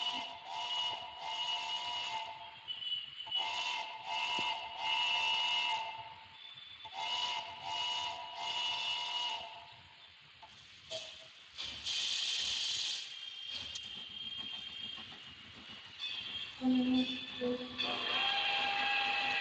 আমি মাকে গিয়ে বললাম, বসার ঘরে বসে আছে লোকটা কে?